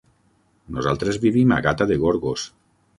Nosaltres vivim a Gata de Gorgos.